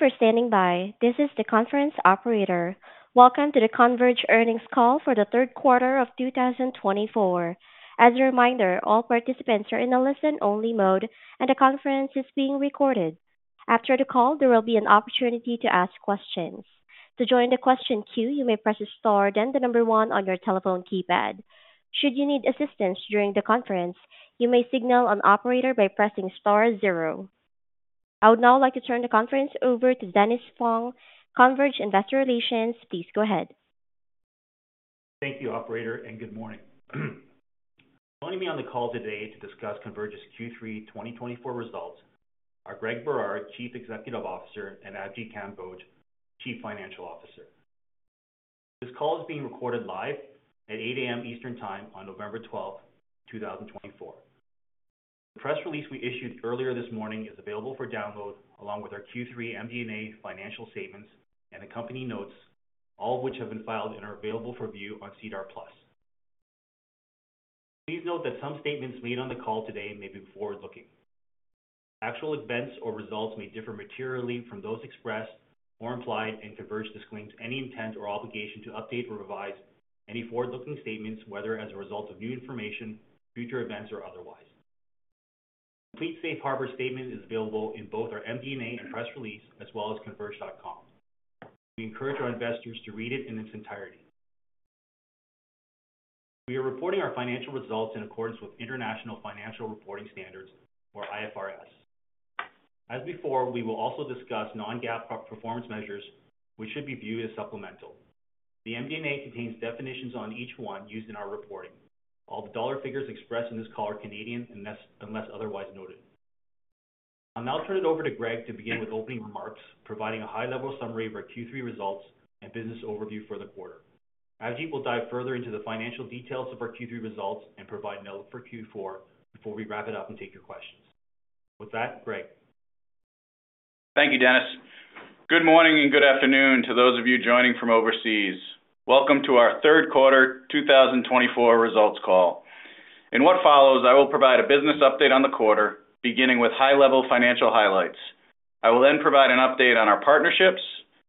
Thank you for standing by. This is the conference operator. Welcome to the Converge Earnings Call for the third quarter of 2024. As a reminder, all participants are in a listen-only mode, and the conference is being recorded. After the call, there will be an opportunity to ask questions. To join the question queue, you may press star then the number one on your telephone keypad. Should you need assistance during the conference, you may signal an operator by pressing star zero. I would now like to turn the conference over to Dennis Fong, Converge Investor Relations. Please go ahead. Thank you, Operator, and good morning. Joining me on the call today to discuss Converge's Q3 2024 results are Greg Berard, Chief Executive Officer, and Avjit Kamboj, Chief Financial Officer. This call is being recorded live at 8:00 A.M. Eastern Time on November 12th, 2024. The press release we issued earlier this morning is available for download along with our Q3 MD&A financial statements and the company notes, all of which have been filed and are available for view on CDR Plus. Please note that some statements made on the call today may be forward-looking. Actual events or results may differ materially from those expressed or implied, and Converge disclaims any intent or obligation to update or revise any forward-looking statements, whether as a result of new information, future events, or otherwise. A complete Safe Harbor statement is available in both our MD&A and press release, as well as converge.com. We encourage our investors to read it in its entirety. We are reporting our financial results in accordance with International Financial Reporting Standards, or IFRS. As before, we will also discuss non-GAAP performance measures, which should be viewed as supplemental. The MD&A contains definitions on each one used in our reporting. All the dollar figures expressed in this call are Canadian unless otherwise noted. I'll now turn it over to Greg to begin with opening remarks, providing a high-level summary of our Q3 results and business overview for the quarter. Avjit will dive further into the financial details of our Q3 results and provide a note for Q4 before we wrap it up and take your questions. With that, Greg. Thank you, Dennis. Good morning and good afternoon to those of you joining from overseas. Welcome to our third quarter 2024 results call. In what follows, I will provide a business update on the quarter, beginning with high-level financial highlights. I will then provide an update on our partnerships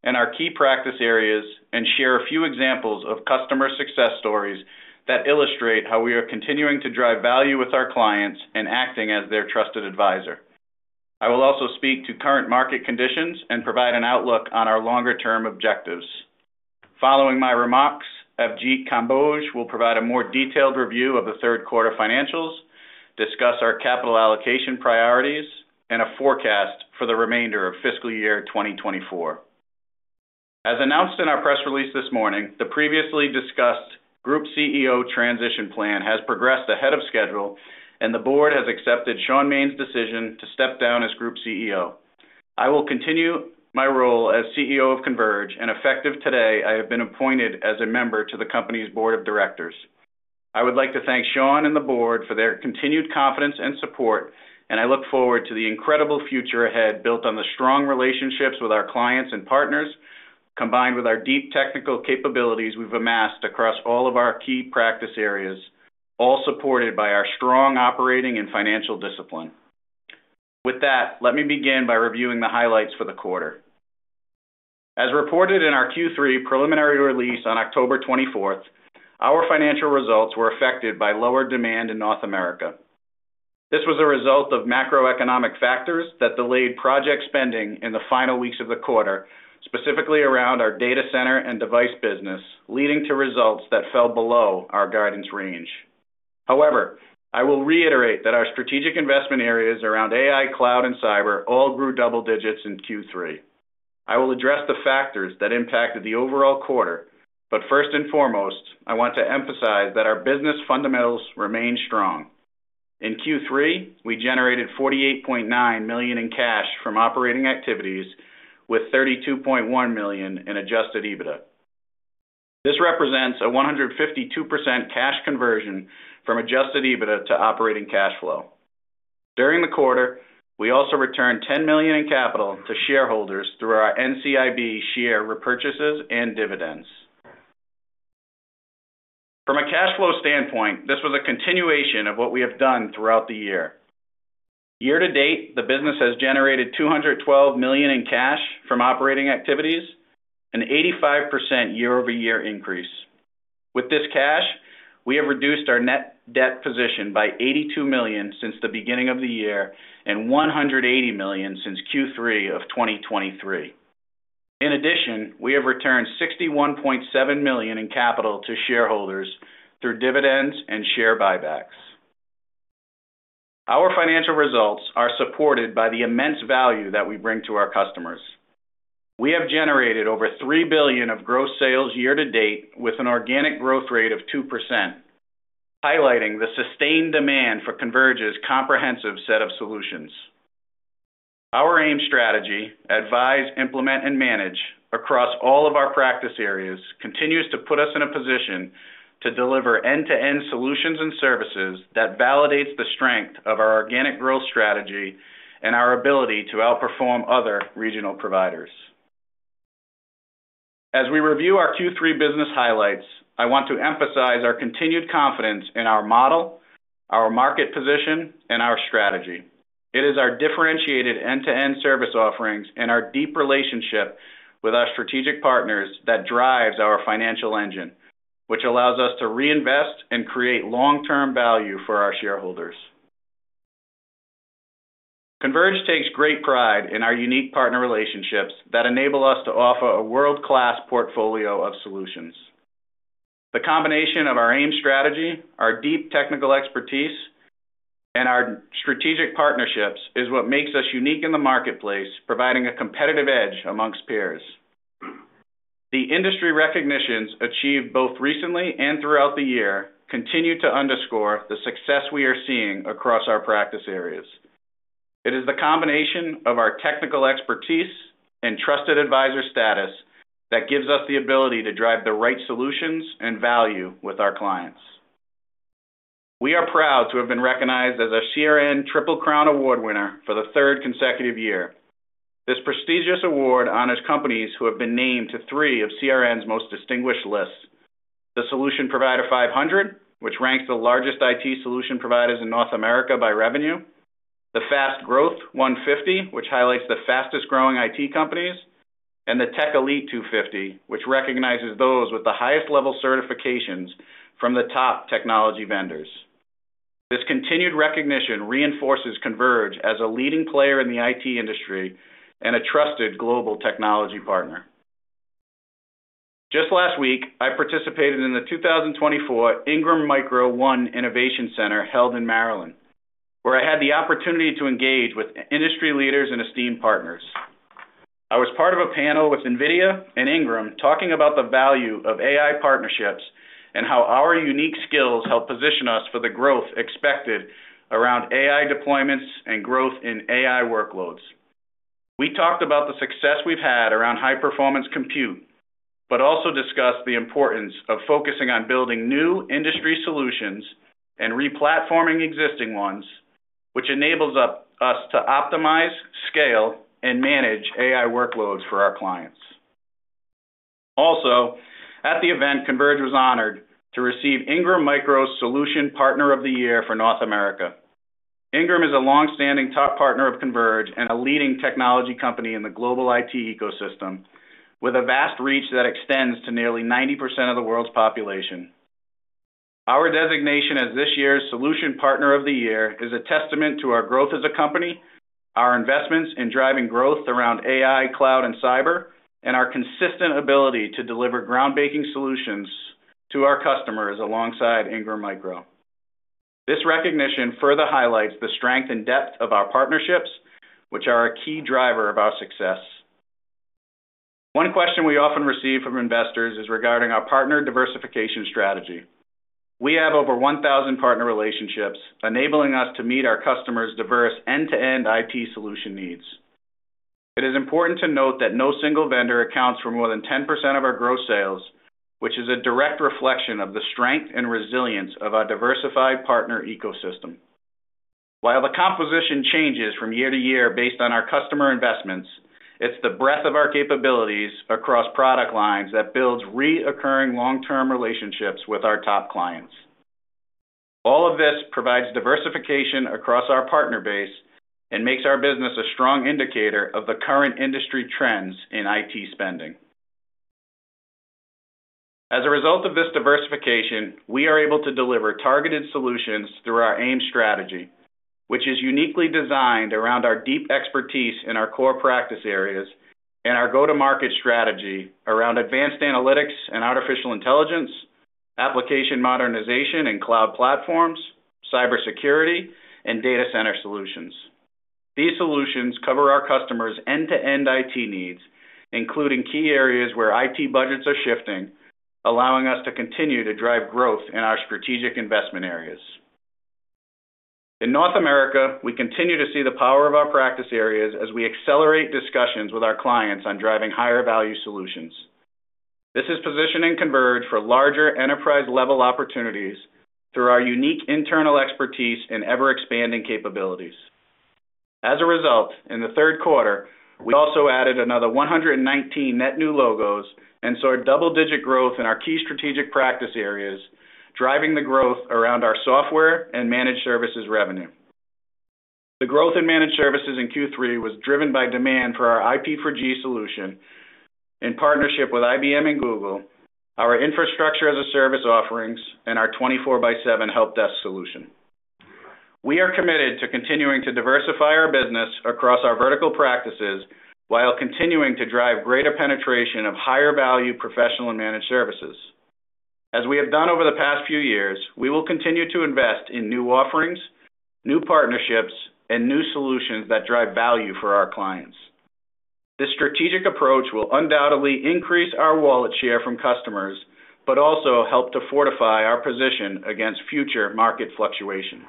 and our key practice areas and share a few examples of customer success stories that illustrate how we are continuing to drive value with our clients and acting as their trusted advisor. I will also speak to current market conditions and provide an outlook on our longer-term objectives. Following my remarks, Avjit Kamboj will provide a more detailed review of the third quarter financials, discuss our capital allocation priorities, and a forecast for the remainder of fiscal year 2024. As announced in our press release this morning, the previously discussed Group CEO transition plan has progressed ahead of schedule, and the board has accepted Shaun Maine's decision to step down as Group CEO. I will continue my role as CEO of Converge, and effective today, I have been appointed as a member to the company's board of directors. I would like to thank Shaun and the board for their continued confidence and support, and I look forward to the incredible future ahead built on the strong relationships with our clients and partners, combined with our deep technical capabilities we've amassed across all of our key practice areas, all supported by our strong operating and financial discipline. With that, let me begin by reviewing the highlights for the quarter. As reported in our Q3 preliminary release on October 24th, our financial results were affected by lower demand in North America. This was a result of macroeconomic factors that delayed project spending in the final weeks of the quarter, specifically around our data center and device business, leading to results that fell below our guidance range. However, I will reiterate that our strategic investment areas around AI, cloud, and cyber all grew double digits in Q3. I will address the factors that impacted the overall quarter, but first and foremost, I want to emphasize that our business fundamentals remain strong. In Q3, we generated 48.9 million in cash from operating activities, with 32.1 million in Adjusted EBITDA. This represents a 152% cash conversion from Adjusted EBITDA to operating cash flow. During the quarter, we also returned 10 million in capital to shareholders through our NCIB share repurchases and dividends. From a cash flow standpoint, this was a continuation of what we have done throughout the year. Year to date, the business has generated 212 million in cash from operating activities, an 85% year-over-year increase. With this cash, we have reduced our net debt position by 82 million since the beginning of the year and 180 million since Q3 of 2023. In addition, we have returned 61.7 million in capital to shareholders through dividends and share buybacks. Our financial results are supported by the immense value that we bring to our customers. We have generated over 3 billion of gross sales year to date, with an organic growth rate of 2%, highlighting the sustained demand for Converge's comprehensive set of solutions. Our AIM strategy, Advise, Implement, and Manage across all of our practice areas continues to put us in a position to deliver end-to-end solutions and services that validate the strength of our organic growth strategy and our ability to outperform other regional providers. As we review our Q3 business highlights, I want to emphasize our continued confidence in our model, our market position, and our strategy. It is our differentiated end-to-end service offerings and our deep relationship with our strategic partners that drives our financial engine, which allows us to reinvest and create long-term value for our shareholders. Converge takes great pride in our unique partner relationships that enable us to offer a world-class portfolio of solutions. The combination of our AIM strategy, our deep technical expertise, and our strategic partnerships is what makes us unique in the marketplace, providing a competitive edge amongst peers. The industry recognitions achieved both recently and throughout the year continue to underscore the success we are seeing across our practice areas. It is the combination of our technical expertise and trusted advisor status that gives us the ability to drive the right solutions and value with our clients. We are proud to have been recognized as a CRN Triple Crown Award winner for the third consecutive year. This prestigious award honors companies who have been named to three of CRN's most distinguished lists: the Solution Provider 500, which ranks the largest IT solution providers in North America by revenue; the Fast Growth 150, which highlights the fastest-growing IT companies; and the Tech Elite 250, which recognizes those with the highest-level certifications from the top technology vendors. This continued recognition reinforces Converge as a leading player in the IT industry and a trusted global technology partner. Just last week, I participated in the 2024 Ingram Micro ONE Innovation Center held in Maryland, where I had the opportunity to engage with industry leaders and esteemed partners. I was part of a panel with NVIDIA and Ingram talking about the value of AI partnerships and how our unique skills help position us for the growth expected around AI deployments and growth in AI workloads. We talked about the success we've had around high-performance compute, but also discussed the importance of focusing on building new industry solutions and replatforming existing ones, which enables us to optimize, scale, and manage AI workloads for our clients. Also, at the event, Converge was honored to receive Ingram Micro's Solution Partner of the Year for North America. Ingram Micro is a longstanding top partner of Converge and a leading technology company in the global IT ecosystem, with a vast reach that extends to nearly 90% of the world's population. Our designation as this year's Solution Partner of the Year is a testament to our growth as a company, our investments in driving growth around AI, cloud, and cyber, and our consistent ability to deliver groundbreaking solutions to our customers alongside Ingram Micro. This recognition further highlights the strength and depth of our partnerships, which are a key driver of our success. One question we often receive from investors is regarding our partner diversification strategy. We have over 1,000 partner relationships, enabling us to meet our customers' diverse end-to-end IT solution needs. It is important to note that no single vendor accounts for more than 10% of our gross sales, which is a direct reflection of the strength and resilience of our diversified partner ecosystem. While the composition changes from year to year based on our customer investments, it's the breadth of our capabilities across product lines that builds recurring long-term relationships with our top clients. All of this provides diversification across our partner base and makes our business a strong indicator of the current industry trends in IT spending. As a result of this diversification, we are able to deliver targeted solutions through our AIM strategy, which is uniquely designed around our deep expertise in our core practice areas and our go-to-market strategy around advanced analytics and artificial intelligence, application modernization and cloud platforms, cybersecurity, and data center solutions. These solutions cover our customers' end-to-end IT needs, including key areas where IT budgets are shifting, allowing us to continue to drive growth in our strategic investment areas. In North America, we continue to see the power of our practice areas as we accelerate discussions with our clients on driving higher-value solutions. This is positioning Converge for larger enterprise-level opportunities through our unique internal expertise and ever-expanding capabilities. As a result, in the third quarter, we also added another 119 net new logos and saw double-digit growth in our key strategic practice areas, driving the growth around our software and managed services revenue. The growth in managed services in Q3 was driven by demand for our IP4G solution in partnership with IBM and Google, our infrastructure-as-a-service offerings, and our 24x7 helpdesk solution. We are committed to continuing to diversify our business across our vertical practices while continuing to drive greater penetration of higher-value professional and managed services. As we have done over the past few years, we will continue to invest in new offerings, new partnerships, and new solutions that drive value for our clients. This strategic approach will undoubtedly increase our wallet share from customers, but also help to fortify our position against future market fluctuations.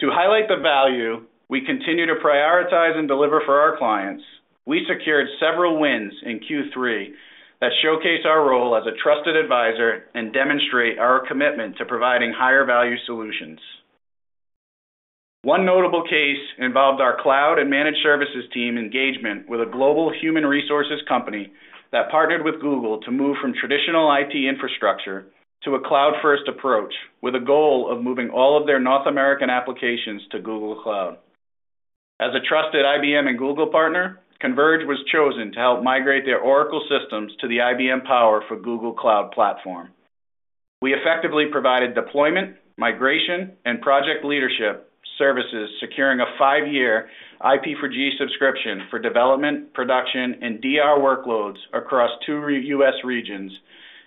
To highlight the value we continue to prioritize and deliver for our clients, we secured several wins in Q3 that showcase our role as a trusted advisor and demonstrate our commitment to providing higher-value solutions. One notable case involved our cloud and managed services team engagement with a global human resources company that partnered with Google to move from traditional IT infrastructure to a cloud-first approach, with a goal of moving all of their North American applications to Google Cloud. As a trusted IBM and Google partner, Converge was chosen to help migrate their Oracle systems to the IBM Power for Google Cloud platform. We effectively provided deployment, migration, and project leadership services, securing a five-year IP4G subscription for development, production, and DR workloads across two U.S. regions,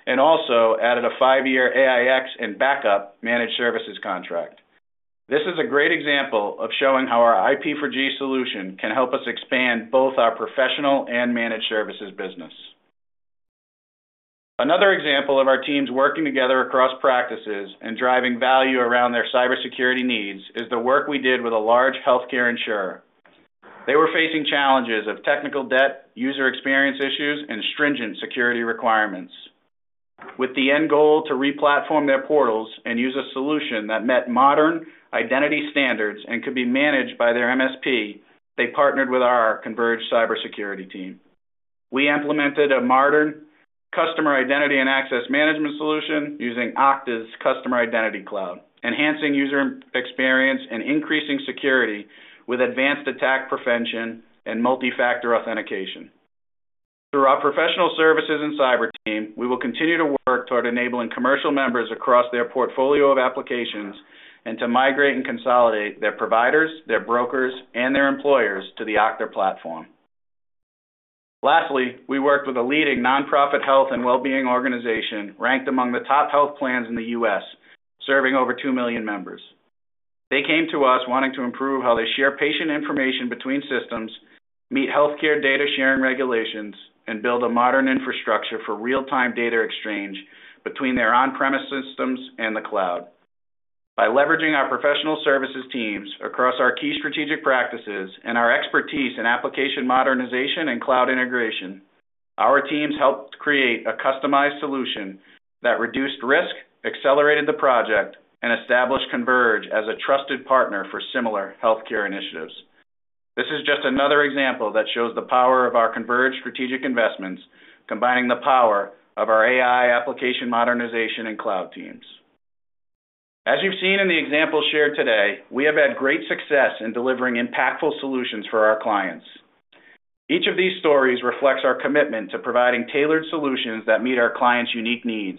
and also added a five-year AIX and backup managed services contract. This is a great example of showing how our IP4G solution can help us expand both our professional and managed services business. Another example of our teams working together across practices and driving value around their cybersecurity needs is the work we did with a large healthcare insurer. They were facing challenges of technical debt, user experience issues, and stringent security requirements. With the end goal to replatform their portals and use a solution that met modern identity standards and could be managed by their MSP, they partnered with our Converge cybersecurity team. We implemented a modern customer identity and access management solution using Okta's Customer Identity Cloud, enhancing user experience and increasing security with advanced attack prevention and multi-factor authentication. Through our professional services and cyber team, we will continue to work toward enabling commercial members across their portfolio of applications and to migrate and consolidate their providers, their brokers, and their employers to the Okta platform. Lastly, we worked with a leading nonprofit health and well-being organization ranked among the top health plans in the U.S., serving over two million members. They came to us wanting to improve how they share patient information between systems, meet healthcare data sharing regulations, and build a modern infrastructure for real-time data exchange between their on-premise systems and the cloud. By leveraging our professional services teams across our key strategic practices and our expertise in application modernization and cloud integration, our teams helped create a customized solution that reduced risk, accelerated the project, and established Converge as a trusted partner for similar healthcare initiatives. This is just another example that shows the power of our Converge strategic investments, combining the power of our AI application modernization and cloud teams. As you've seen in the examples shared today, we have had great success in delivering impactful solutions for our clients. Each of these stories reflects our commitment to providing tailored solutions that meet our clients' unique needs,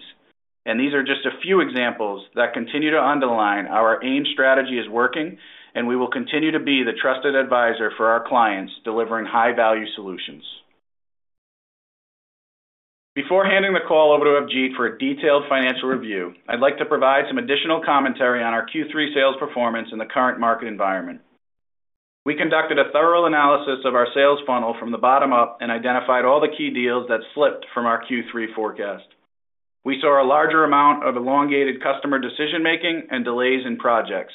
and these are just a few examples that continue to underline our AIM strategy is working, and we will continue to be the trusted advisor for our clients, delivering high-value solutions. Before handing the call over to Avjit for a detailed financial review, I'd like to provide some additional commentary on our Q3 sales performance in the current market environment. We conducted a thorough analysis of our sales funnel from the bottom up and identified all the key deals that slipped from our Q3 forecast. We saw a larger amount of elongated customer decision-making and delays in projects.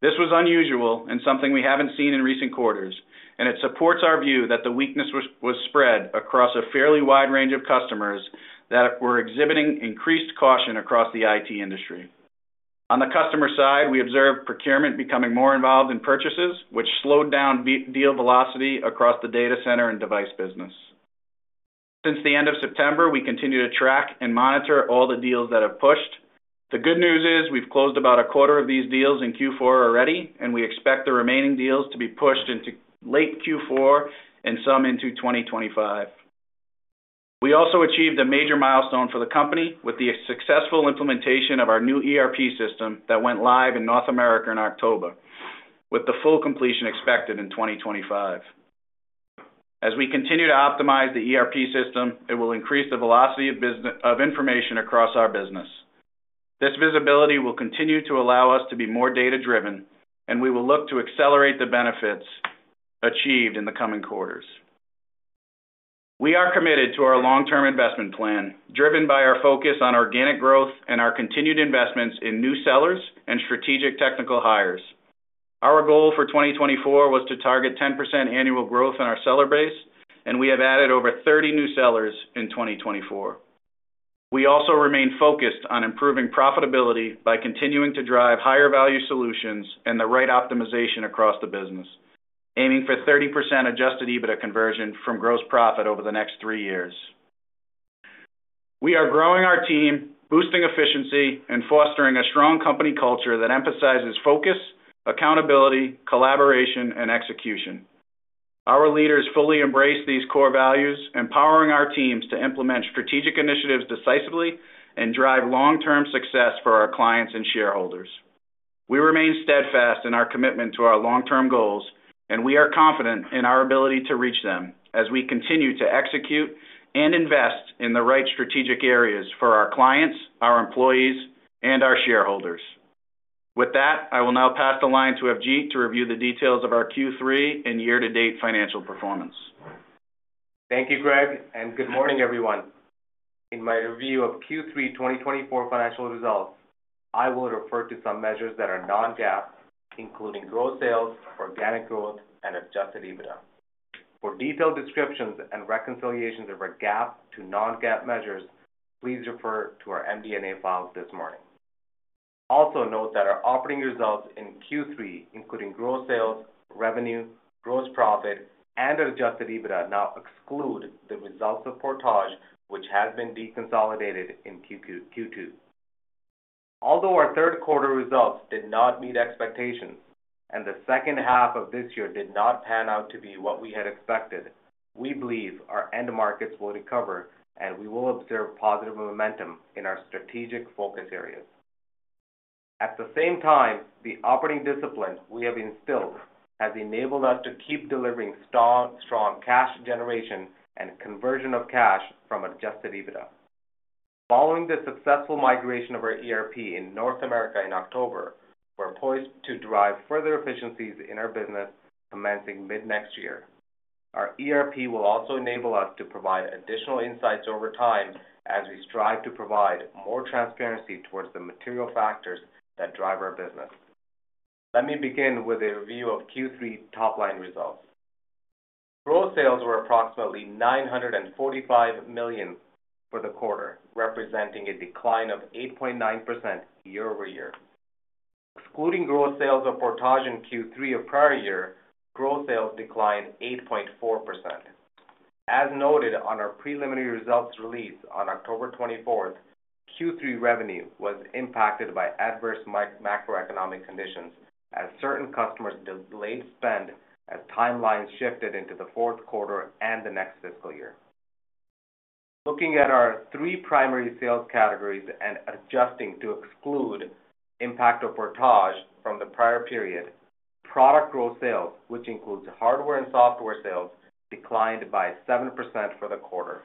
This was unusual and something we haven't seen in recent quarters, and it supports our view that the weakness was spread across a fairly wide range of customers that were exhibiting increased caution across the IT industry. On the customer side, we observed procurement becoming more involved in purchases, which slowed down deal velocity across the data center and device business. Since the end of September, we continue to track and monitor all the deals that have pushed. The good news is we've closed about a quarter of these deals in Q4 already, and we expect the remaining deals to be pushed into late Q4 and some into 2025. We also achieved a major milestone for the company with the successful implementation of our new ERP system that went live in North America in October, with the full completion expected in 2025. As we continue to optimize the ERP system, it will increase the velocity of information across our business. This visibility will continue to allow us to be more data-driven, and we will look to accelerate the benefits achieved in the coming quarters. We are committed to our long-term investment plan, driven by our focus on organic growth and our continued investments in new sellers and strategic technical hires. Our goal for 2024 was to target 10% annual growth in our seller base, and we have added over 30 new sellers in 2024. We also remain focused on improving profitability by continuing to drive higher-value solutions and the right optimization across the business, aiming for 30% Adjusted EBITDA conversion from gross profit over the next three years. We are growing our team, boosting efficiency, and fostering a strong company culture that emphasizes focus, accountability, collaboration, and execution. Our leaders fully embrace these core values, empowering our teams to implement strategic initiatives decisively and drive long-term success for our clients and shareholders. We remain steadfast in our commitment to our long-term goals, and we are confident in our ability to reach them as we continue to execute and invest in the right strategic areas for our clients, our employees, and our shareholders. With that, I will now pass the line to Avjit to review the details of our Q3 and year-to-date financial performance. Thank you, Greg, and good morning, everyone. In my review of Q3 2024 financial results, I will refer to some measures that are non-GAAP, including gross sales, organic growth, and adjusted EBITDA. For detailed descriptions and reconciliations of our GAAP to non-GAAP measures, please refer to our MD&A files this morning. Also note that our operating results in Q3, including gross sales, revenue, gross profit, and Adjusted EBITDA, now exclude the results of Portage, which has been deconsolidated in Q2. Although our third quarter results did not meet expectations and the second half of this year did not pan out to be what we had expected, we believe our end markets will recover, and we will observe positive momentum in our strategic focus areas. At the same time, the operating discipline we have instilled has enabled us to keep delivering strong cash generation and conversion of cash from Adjusted EBITDA. Following the successful migration of our ERP in North America in October, we're poised to drive further efficiencies in our business commencing mid-next year. Our ERP will also enable us to provide additional insights over time as we strive to provide more transparency towards the material factors that drive our business. Let me begin with a review of Q3 top-line results. Gross sales were approximately 945 million for the quarter, representing a decline of 8.9% year-over-year. Excluding gross sales of Portage in Q3 of prior year, gross sales declined 8.4%. As noted on our preliminary results release on October 24, Q3 revenue was impacted by adverse macroeconomic conditions as certain customers delayed spend as timelines shifted into the fourth quarter and the next fiscal year. Looking at our three primary sales categories and adjusting to exclude impact of Portage from the prior period, product gross sales, which includes hardware and software sales, declined by 7% for the quarter.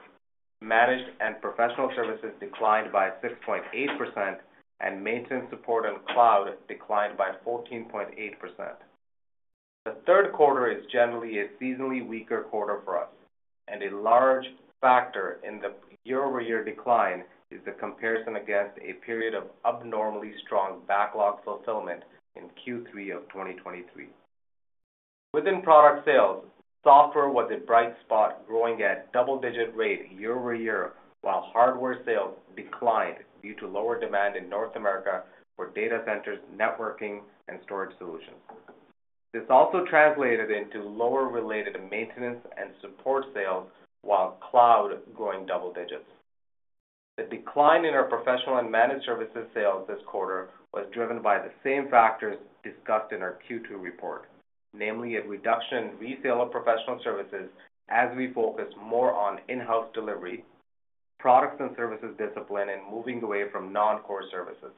Managed and professional services declined by 6.8%, and maintenance support and cloud declined by 14.8%. The third quarter is generally a seasonally weaker quarter for us, and a large factor in the year-over-year decline is the comparison against a period of abnormally strong backlog fulfillment in Q3 of 2023. Within product sales, software was a bright spot, growing at double-digit rate year-over-year, while hardware sales declined due to lower demand in North America for data centers, networking, and storage solutions. This also translated into lower-related maintenance and support sales, while cloud growing double digits. The decline in our professional and managed services sales this quarter was driven by the same factors discussed in our Q2 report, namely a reduction in resale of professional services as we focus more on in-house delivery, products and services discipline, and moving away from non-core services,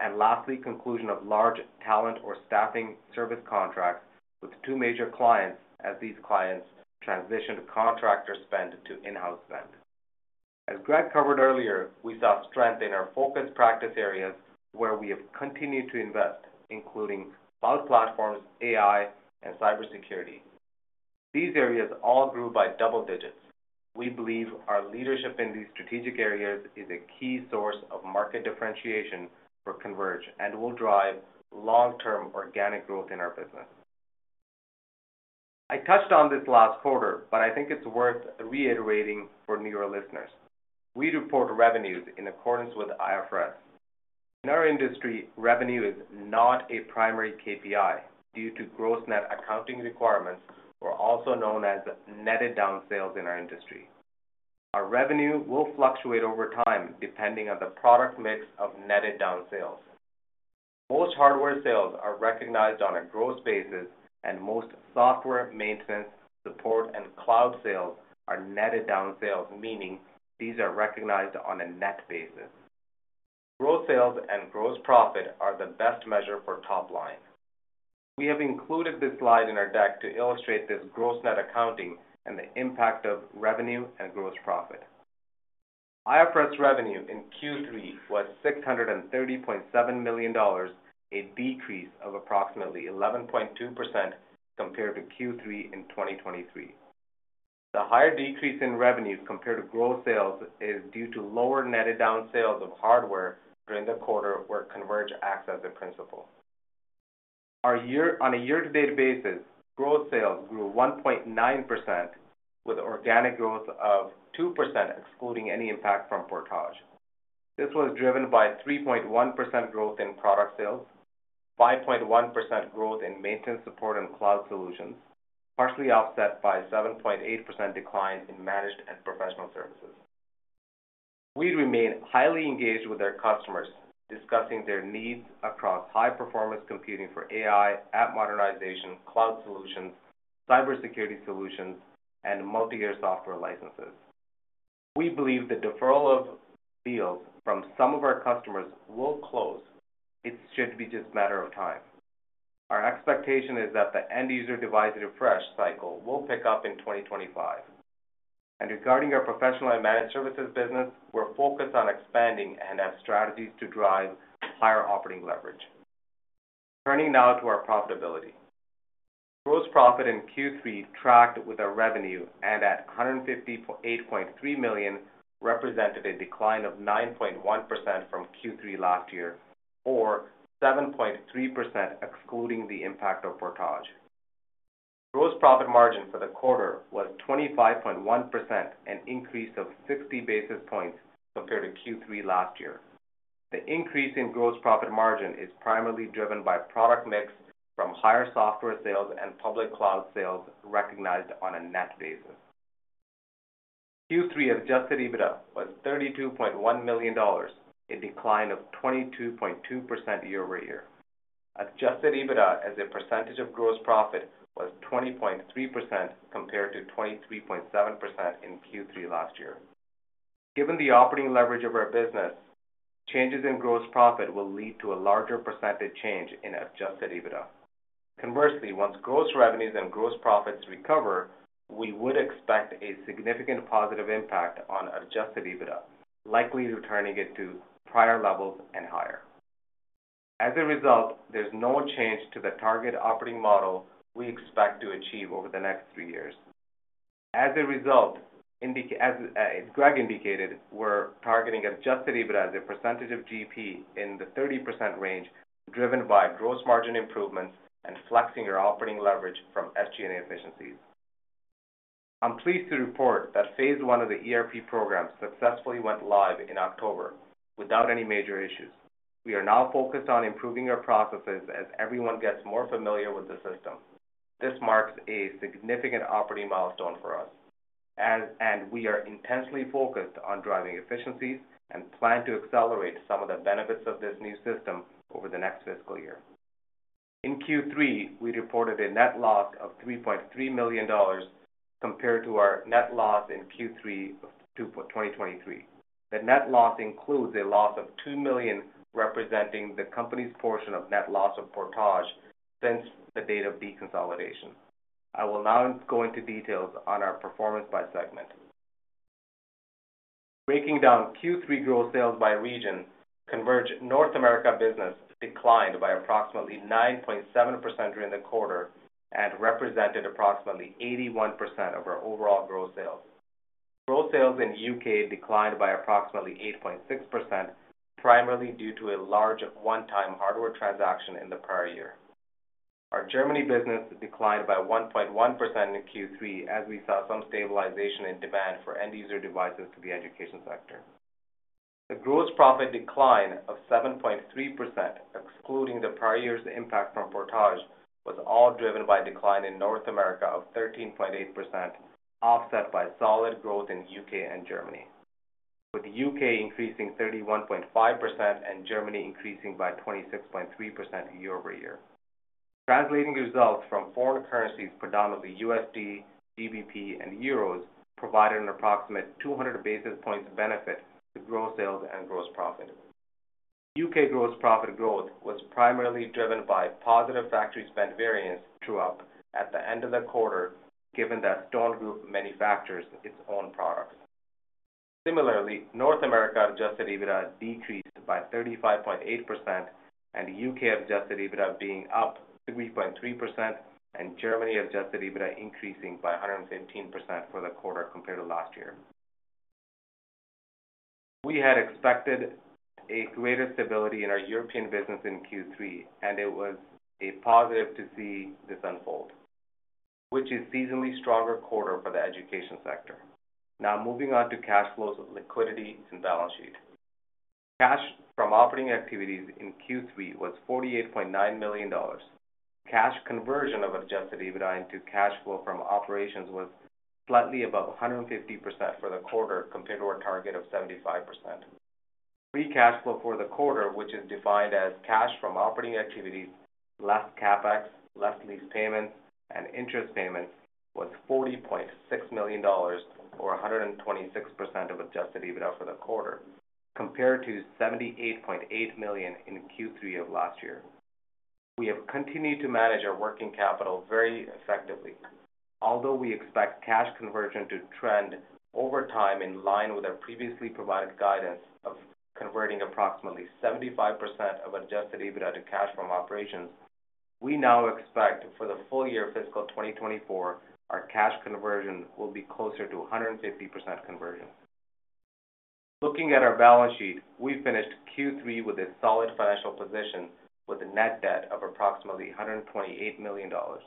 and lastly, conclusion of large talent or staffing service contracts with two major clients as these clients transitioned contractor spend to in-house spend. As Greg covered earlier, we saw strength in our focus practice areas where we have continued to invest, including cloud platforms, AI, and cybersecurity. These areas all grew by double digits. We believe our leadership in these strategic areas is a key source of market differentiation for Converge and will drive long-term organic growth in our business. I touched on this last quarter, but I think it's worth reiterating for newer listeners. We report revenues in accordance with IFRS. In our industry, revenue is not a primary KPI due to gross net accounting requirements, or also known as netted down sales in our industry. Our revenue will fluctuate over time depending on the product mix of netted down sales. Most hardware sales are recognized on a gross basis, and most software maintenance, support, and cloud sales are netted down sales, meaning these are recognized on a net basis. Gross sales and gross profit are the best measure for top line. We have included this slide in our deck to illustrate this gross net accounting and the impact of revenue and gross profit. IFRS revenue in Q3 was 630.7 million dollars, a decrease of approximately 11.2% compared to Q3 in 2023. The higher decrease in revenue compared to gross sales is due to lower netted down sales of hardware during the quarter where Converge acts as a principal. On a year-to-date basis, gross sales grew 1.9%, with organic growth of 2% excluding any impact from Portage. This was driven by 3.1% growth in product sales, 5.1% growth in maintenance support and cloud solutions, partially offset by 7.8% decline in managed and professional services. We remain highly engaged with our customers, discussing their needs across high-performance computing for AI, app modernization, cloud solutions, cybersecurity solutions, and multi-year software licenses. We believe the deferral of deals from some of our customers will close. It should be just a matter of time. Our expectation is that the end-user device refresh cycle will pick up in 2025. Regarding our professional and managed services business, we're focused on expanding and have strategies to drive higher operating leverage. Turning now to our profitability. Gross profit in Q3 tracked with our revenue and at 158.3 million represented a decline of 9.1% from Q3 last year, or 7.3% excluding the impact of Portage. Gross profit margin for the quarter was 25.1%, an increase of 60 basis points compared to Q3 last year. The increase in gross profit margin is primarily driven by product mix from higher software sales and public cloud sales recognized on a net basis. Q3 Adjusted EBITDA was 32.1 million dollars, a decline of 22.2% year-over-year. Adjusted EBITDA, as a percentage of gross profit, was 20.3% compared to 23.7% in Q3 last year. Given the operating leverage of our business, changes in gross profit will lead to a larger percentage change in adjusted EBITDA. Conversely, once gross revenues and gross profits recover, we would expect a significant positive impact on adjusted EBITDA, likely returning it to prior levels and higher. As a result, there's no change to the target operating model we expect to achieve over the next three years. As a result, as Greg indicated, we're targeting adjusted EBITDA as a percentage of GP in the 30% range, driven by gross margin improvements and flexing our operating leverage from SG&A efficiencies. I'm pleased to report that phase I of the ERP program successfully went live in October without any major issues. We are now focused on improving our processes as everyone gets more familiar with the system. This marks a significant operating milestone for us, and we are intensely focused on driving efficiencies and plan to accelerate some of the benefits of this new system over the next fiscal year. In Q3, we reported a net loss of 3.3 million dollars compared to our net loss in Q3 of 2023. The net loss includes a loss of 2 million, representing the company's portion of net loss of Portage since the date of deconsolidation. I will now go into details on our performance by segment. Breaking down Q3 gross sales by region, Converge North America business declined by approximately 9.7% during the quarter and represented approximately 81% of our overall gross sales. Gross sales in the UK declined by approximately 8.6%, primarily due to a large one-time hardware transaction in the prior year. Our Germany business declined by 1.1% in Q3, as we saw some stabilization in demand for end-user devices to the education sector. The gross profit decline of 7.3%, excluding the prior year's impact from Portage, was all driven by a decline in North America of 13.8%, offset by solid growth in the UK and Germany, with the UK increasing 31.5% and Germany increasing by 26.3% year-over-year. Translating results from foreign currencies, predominantly USD, GBP, and euros, provided an approximate 200 basis points benefit to gross sales and gross profit. UK gross profit growth was primarily driven by positive factory spend variance throughout at the end of the quarter, given that Stone Group manufactures its own products. Similarly, North America adjusted EBITDA decreased by 35.8%, and UK adjusted EBITDA being up 3.3%, and Germany adjusted EBITDA increasing by 115% for the quarter compared to last year. We had expected a greater stability in our European business in Q3, and it was a positive to see this unfold, which is a seasonally stronger quarter for the education sector. Now moving on to cash flows, liquidity, and balance sheet. Cash from operating activities in Q3 was 48.9 million dollars. Cash conversion of Adjusted EBITDA into cash flow from operations was slightly above 150% for the quarter compared to our target of 75%. Pre-cash flow for the quarter, which is defined as cash from operating activities, less CapEx, less lease payments, and interest payments, was 40.6 million dollars, or 126% of Adjusted EBITDA for the quarter, compared to 78.8 million in Q3 of last year. We have continued to manage our working capital very effectively. Although we expect cash conversion to trend over time in line with our previously provided guidance of converting approximately 75% of adjusted EBITDA to cash from operations, we now expect for the full year fiscal 2024, our cash conversion will be closer to 150% conversion. Looking at our balance sheet, we finished Q3 with a solid financial position, with a net debt of approximately 128 million dollars.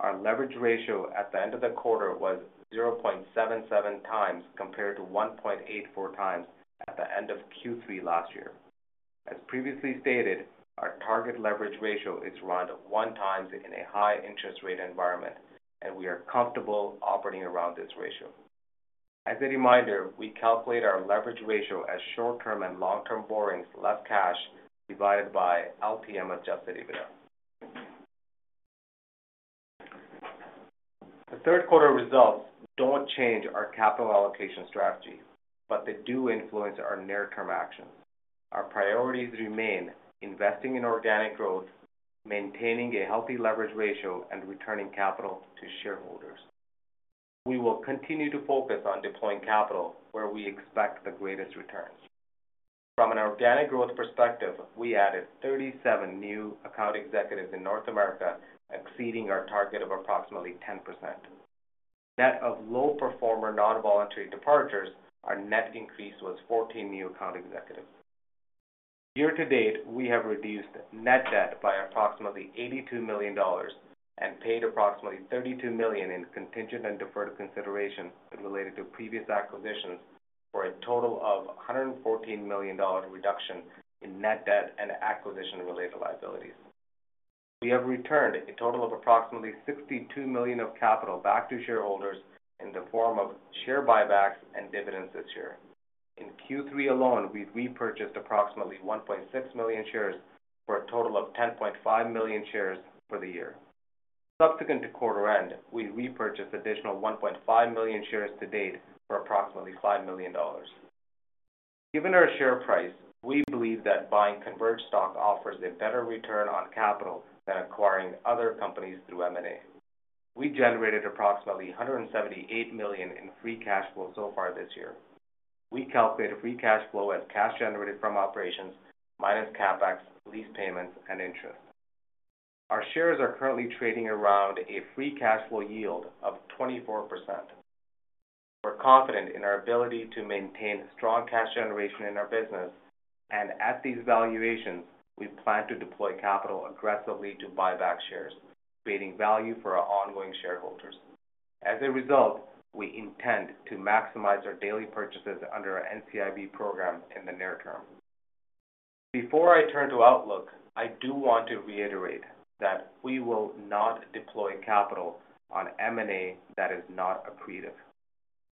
Our leverage ratio at the end of the quarter was 0.77 times compared to 1.84 times at the end of Q3 last year. As previously stated, our target leverage ratio is around one times in a high interest rate environment, and we are comfortable operating around this ratio. As a reminder, we calculate our leverage ratio as short-term and long-term borrowings less cash divided by LTM adjusted EBITDA. The third quarter results don't change our capital allocation strategy, but they do influence our near-term actions. Our priorities remain investing in organic growth, maintaining a healthy leverage ratio, and returning capital to shareholders. We will continue to focus on deploying capital where we expect the greatest returns. From an organic growth perspective, we added 37 new account executives in North America, exceeding our target of approximately 10%. Net of low-performer non-voluntary departures, our net increase was 14 new account executives. Year-to-date, we have reduced net debt by approximately 82 million dollars and paid approximately 32 million in contingent and deferred consideration related to previous acquisitions for a total of 114 million dollar reduction in net debt and acquisition-related liabilities. We have returned a total of approximately 62 million of capital back to shareholders in the form of share buybacks and dividends this year. In Q3 alone, we repurchased approximately 1.6 million shares for a total of 10.5 million shares for the year. Subsequent to quarter end, we repurchased additional 1.5 million shares to date for approximately 5 million dollars. Given our share price, we believe that buying Converge stock offers a better return on capital than acquiring other companies through M&A. We generated approximately 178 million in free cash flow so far this year. We calculate free cash flow as cash generated from operations minus CapEx, lease payments, and interest. Our shares are currently trading around a free cash flow yield of 24%. We're confident in our ability to maintain strong cash generation in our business, and at these valuations, we plan to deploy capital aggressively to buyback shares, creating value for our ongoing shareholders. As a result, we intend to maximize our daily purchases under our NCIB program in the near term. Before I turn to Outlook, I do want to reiterate that we will not deploy capital on M&A that is not accretive.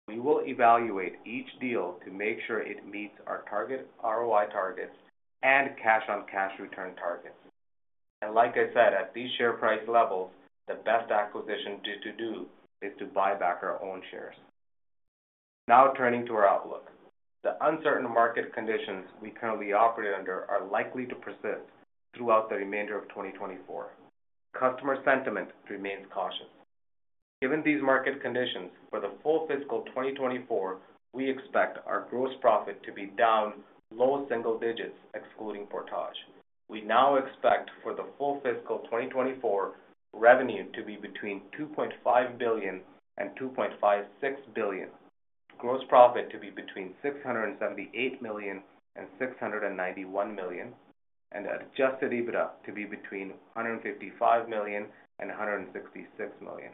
We will evaluate each deal to make sure it meets our target ROI targets and cash-on-cash return targets. And like I said, at these share price levels, the best acquisition to do is to buy back our own shares. Now turning to our Outlook, the uncertain market conditions we currently operate under are likely to persist throughout the remainder of 2024. Customer sentiment remains cautious. Given these market conditions, for the full fiscal 2024, we expect our gross profit to be down low single digits, excluding Portage. We now expect for the full fiscal 2024, revenue to be between 2.5 billion and 2.56 billion, gross profit to be between 678 million and 691 million, and Adjusted EBITDA to be between 155 million and 166 million.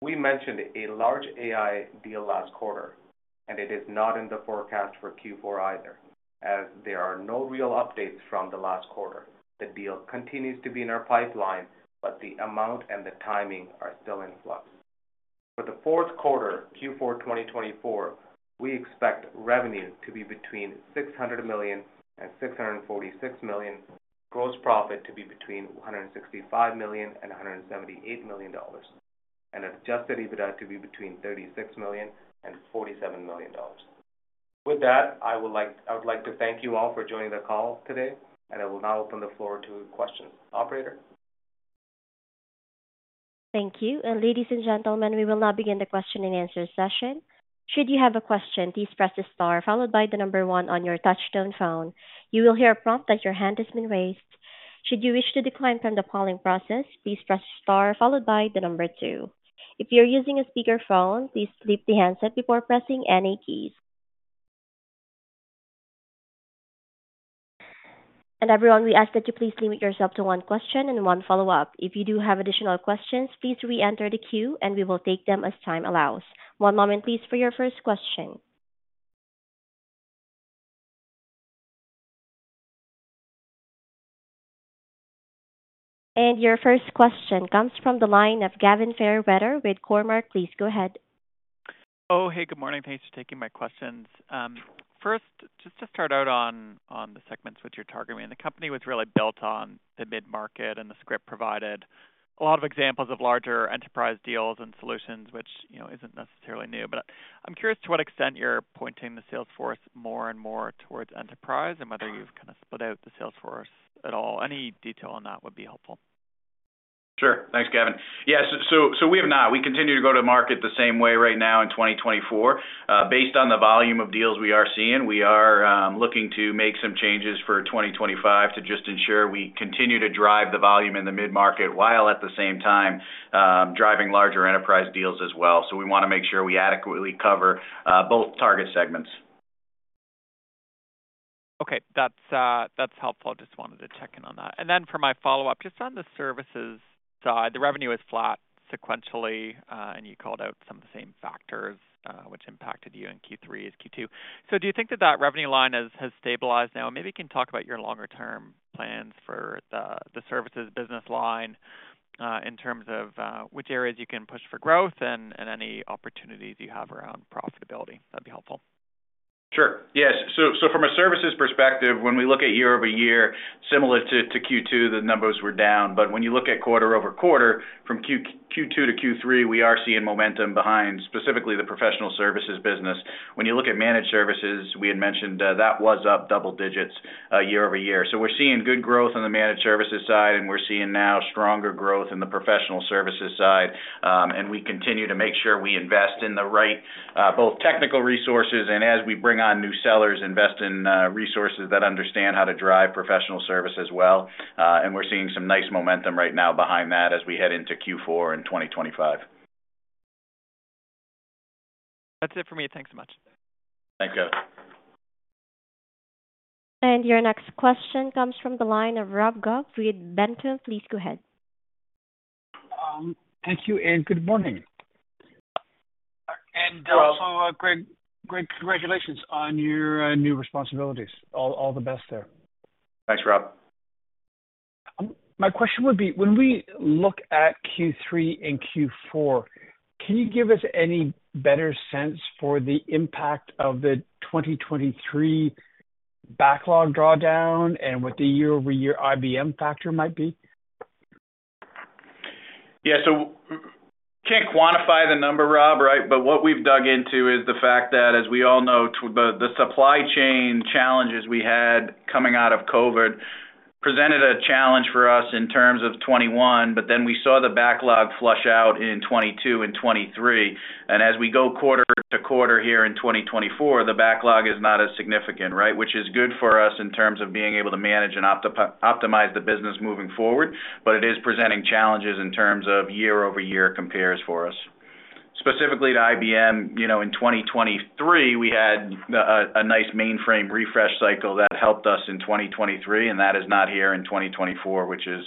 We mentioned a large AI deal last quarter, and it is not in the forecast for Q4 either, as there are no real updates from the last quarter. The deal continues to be in our pipeline, but the amount and the timing are still in flux. For the fourth quarter, Q4 2024, we expect revenue to be between 600 million and 646 million, gross profit to be between 165 million and 178 million dollars, and Adjusted EBITDA to be between 36 million and 47 million dollars. With that, I would like to thank you all for joining the call today, and I will now open the floor to questions. Operator? Thank you. Ladies and gentlemen, we will now begin the question and answer session. Should you have a question, please press the star followed by the number one on your touch-tone phone. You will hear a prompt that your hand has been raised. Should you wish to decline from the polling process, please press the star followed by the number two. If you're using a speakerphone, please lift the handset before pressing any keys. And everyone, we ask that you please limit yourself to one question and one follow-up. If you do have additional questions, please re-enter the queue, and we will take them as time allows. One moment, please, for your first question. And your first question comes from the line of Gavin Fairweather with Cormark. Please go ahead. Oh, hey, good morning. Thanks for taking my questions. First, just to start out on the segments which you're targeting, the company was really built on the mid-market and the SMB provided. A lot of examples of larger enterprise deals and solutions, which isn't necessarily new, but I'm curious to what extent you're pointing the sales force more and more towards enterprise and whether you've kind of split out the sales force at all. Any detail on that would be helpful. Sure. Thanks, Gavin. Yes, so we have not. We continue to go to market the same way right now in 2024. Based on the volume of deals we are seeing, we are looking to make some changes for 2025 to just ensure we continue to drive the volume in the mid-market while at the same time driving larger enterprise deals as well. So we want to make sure we adequately cover both target segments. Okay, that's helpful. Just wanted to check in on that. And then for my follow-up, just on the services side, the revenue is flat sequentially, and you called out some of the same factors which impacted you in Q3 as Q2. So do you think that that revenue line has stabilized now? Maybe you can talk about your longer-term plans for the services business line in terms of which areas you can push for growth and any opportunities you have around profitability. That'd be helpful. Sure. Yes. So from a services perspective, when we look at year over year, similar to Q2, the numbers were down. But when you look at quarter over quarter, from Q2 to Q3, we are seeing momentum behind specifically the professional services business. When you look at managed services, we had mentioned that was up double digits year over year. So we're seeing good growth on the managed services side, and we're seeing now stronger growth in the professional services side. And we continue to make sure we invest in the right both technical resources and as we bring on new sellers, invest in resources that understand how to drive professional service as well. And we're seeing some nice momentum right now behind that as we head into Q4 in 2025. That's it for me. Thanks so much. Thanks you. And your next question comes from the line of Rob Goff with Echelon Wealth Partners. Please go ahead. Thank you and good morning. And also, Greg, great congratulations on your new responsibilities. All the best there. Thanks, Rob. My question would be, when we look at Q3 and Q4, can you give us any better sense for the impact of the 2023 backlog drawdown and what the year-over-year IBM factor might be? Yeah, so we can't quantify the number, Rob, right? But what we've dug into is the fact that, as we all know, the supply chain challenges we had coming out of COVID presented a challenge for us in terms of 2021, but then we saw the backlog flush out in 2022 and 2023. And as we go quarter to quarter here in 2024, the backlog is not as significant, right? Which is good for us in terms of being able to manage and optimize the business moving forward, but it is presenting challenges in terms of year-over-year compares for us. Specifically to IBM, in 2023, we had a nice mainframe refresh cycle that helped us in 2023, and that is not here in 2024, which is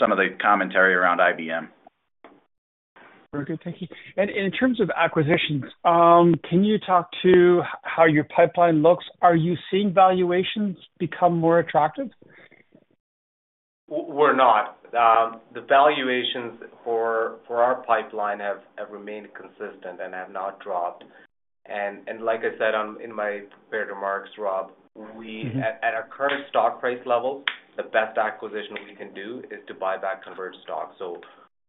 some of the commentary around IBM. Very good. Thank you. And in terms of acquisitions, can you talk to how your pipeline looks? Are you seeing valuations become more attractive? We're not. The valuations for our pipeline have remained consistent and have not dropped. And like I said in my prepared remarks, Rob, at our current stock price levels, the best acquisition we can do is to buy back Converge stock. So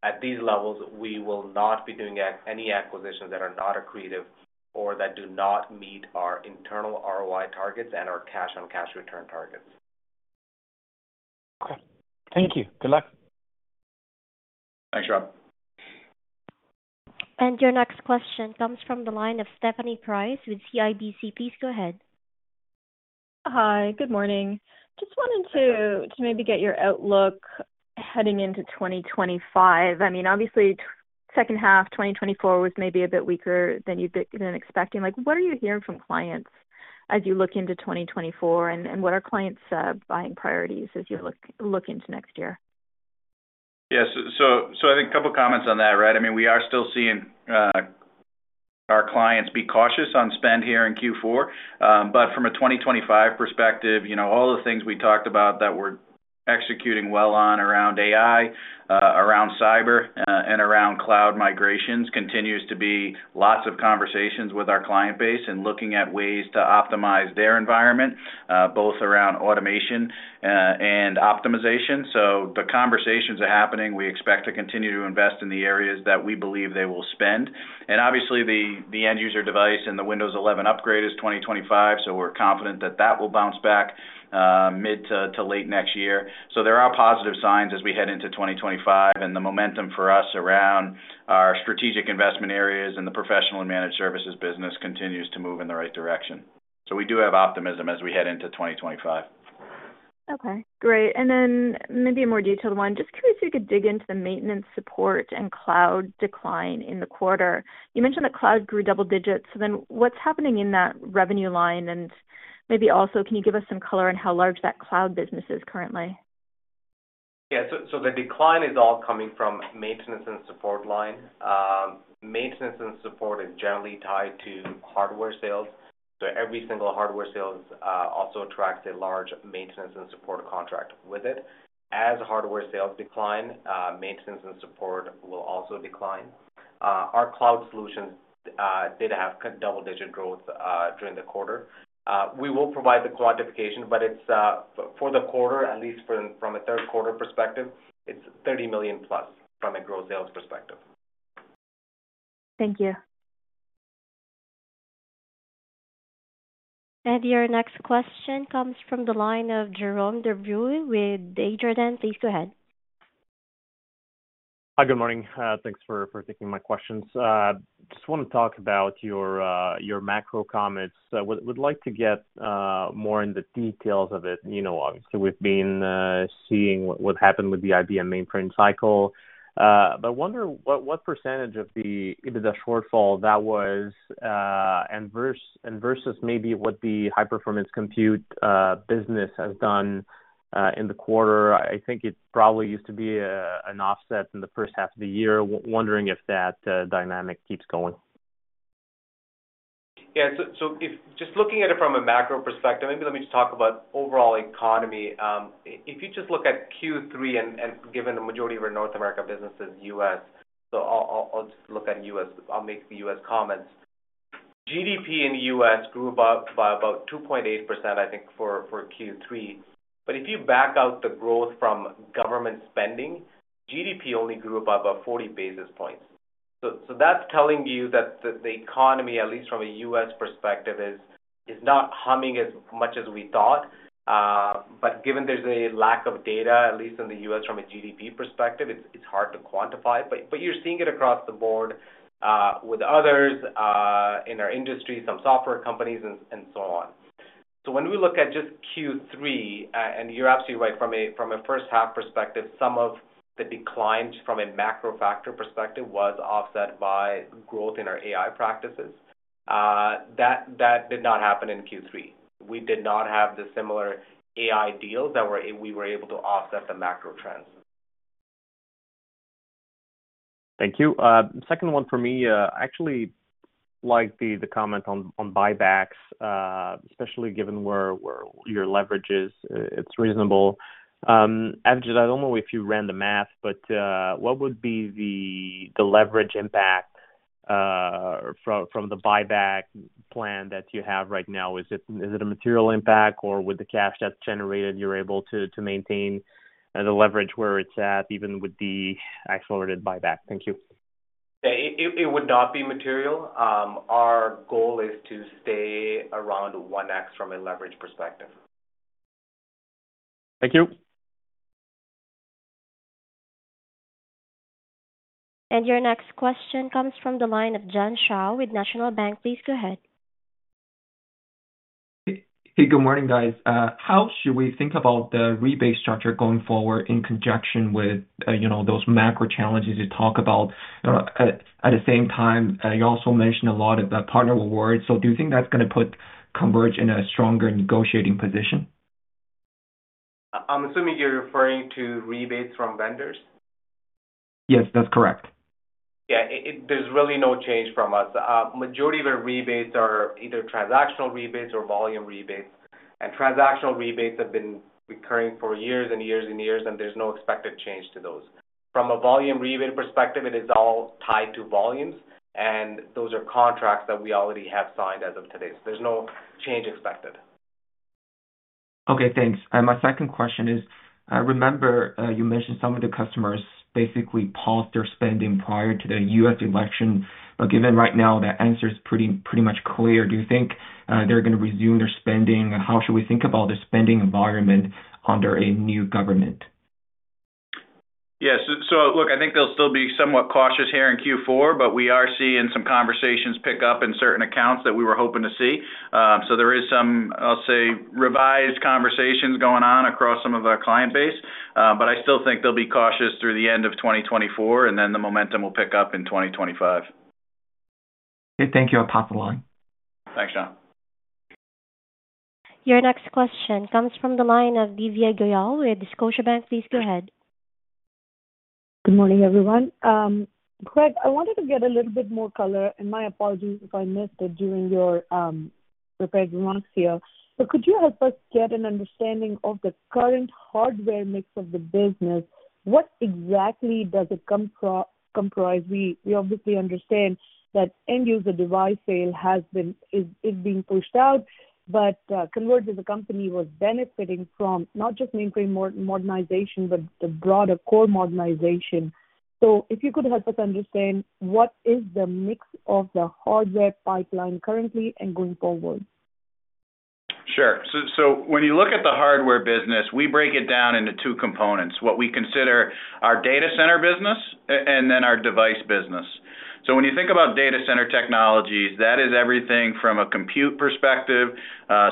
at these levels, we will not be doing any acquisitions that are not accretive or that do not meet our internal ROI targets and our cash-on-cash return targets. Okay. Thank you. Good luck. Thanks, Rob. And your next question comes from the line of Stephanie Price with CIBC. Please go ahead. Hi, good morning. Just wanted to maybe get your outlook heading into 2025. I mean, obviously, second half 2024 was maybe a bit weaker than you've been expecting. What are you hearing from clients as you look into 2024, and what are clients' buying priorities as you look into next year? Yeah, so I think a couple of comments on that, right? I mean, we are still seeing our clients be cautious on spend here in Q4, but from a 2025 perspective, all the things we talked about that we're executing well on around AI, around cyber, and around cloud migrations continues to be lots of conversations with our client base and looking at ways to optimize their environment, both around automation and optimization, so the conversations are happening. We expect to continue to invest in the areas that we believe they will spend, and obviously, the end-user device and the Windows 11 upgrade is 2025, so we're confident that that will bounce back mid to late next year. There are positive signs as we head into 2025, and the momentum for us around our strategic investment areas and the professional and managed services business continues to move in the right direction. We do have optimism as we head into 2025. Okay. Great. And then maybe a more detailed one. Just curious if you could dig into the maintenance support and cloud decline in the quarter. You mentioned that cloud grew double digits. So then what's happening in that revenue line? And maybe also, can you give us some color on how large that cloud business is currently? Yeah. The decline is all coming from maintenance and support line. Maintenance and support is generally tied to hardware sales. Every single hardware sales also attracts a large maintenance and support contract with it. As hardware sales decline, maintenance and support will also decline. Our cloud solutions did have double-digit growth during the quarter. We will provide the quantification, but for the quarter, at least from a third-quarter perspective, it's 30 million plus from a gross sales perspective. Thank you. And your next question comes from the line of Jérôme Dubreuil with Desjardins. Please go ahead. Hi, good morning. Thanks for taking my questions. Just want to talk about your macro comments. Would like to get more in the details of it. Obviously, we've been seeing what happened with the IBM mainframe cycle, but I wonder what percentage of the shortfall that was and versus maybe what the high-performance compute business has done in the quarter. I think it probably used to be an offset in the first half of the year. Wondering if that dynamic keeps going. Yeah. So just looking at it from a macro perspective, maybe let me just talk about overall economy. If you just look at Q3 and given the majority of our North America business is U.S., so I'll just look at U.S. I'll make the U.S. comments. GDP in the U.S. grew by about 2.8%, I think, for Q3. But if you back out the growth from government spending, GDP only grew by about 40 basis points. So that's telling you that the economy, at least from a U.S. perspective, is not humming as much as we thought. But given there's a lack of data, at least in the U.S. from a GDP perspective, it's hard to quantify. But you're seeing it across the board with others in our industry, some software companies, and so on. So when we look at just Q3, and you're absolutely right, from a first-half perspective, some of the decline from a macro factor perspective was offset by growth in our AI practices. That did not happen in Q3. We did not have the similar AI deals that we were able to offset the macro trends. Thank you. Second one for me, I actually like the comment on buybacks, especially given where your leverage is. It's reasonable. I don't know if you ran the math, but what would be the leverage impact from the buyback plan that you have right now? Is it a material impact, or with the cash that's generated, you're able to maintain the leverage where it's at even with the accelerated buyback? Thank you. It would not be material. Our goal is to stay around 1x from a leverage perspective. Thank you. And your next question comes from the line of John Shao with National Bank. Please go ahead. Hey, good morning, guys. How should we think about the rebate structure going forward in conjunction with those macro challenges you talk about? At the same time, you also mentioned a lot of partner awards. So do you think that's going to put Converge in a stronger negotiating position? I'm assuming you're referring to rebates from vendors? Yes, that's correct. Yeah. There's really no change from us. The majority of our rebates are either transactional rebates or volume rebates. And transactional rebates have been recurring for years and years and years, and there's no expected change to those. From a volume rebate perspective, it is all tied to volumes, and those are contracts that we already have signed as of today. So there's no change expected. Okay. Thanks. And my second question is, I remember you mentioned some of the customers basically paused their spending prior to the U.S. election. But given right now, the answer is pretty much clear. Do you think they're going to resume their spending, and how should we think about the spending environment under a new government? Yeah. So look, I think they'll still be somewhat cautious here in Q4, but we are seeing some conversations pick up in certain accounts that we were hoping to see. So there is some, I'll say, revised conversations going on across some of our client base, but I still think they'll be cautious through the end of 2024, and then the momentum will pick up in 2025. Okay. Thank you. I'll pass the line. Thanks, John. Your next question comes from the line of Divya Goyal with Scotiabank. Please go ahead. Good morning, everyone. Greg, I wanted to get a little bit more color, and my apologies if I missed it during your prepared remarks here. But could you help us get an understanding of the current hardware mix of the business? What exactly does it comprise? We obviously understand that end-user device sales are being pushed out, but Converge as a company was benefiting from not just mainframe modernization, but the broader cloud modernization. So if you could help us understand, what is the mix of the hardware pipeline currently and going forward? Sure. So when you look at the hardware business, we break it down into two components. What we consider our data center business and then our device business. So when you think about data center technologies, that is everything from a compute perspective.